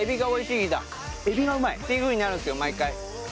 エビがうまい。というふうになるんですよ毎回。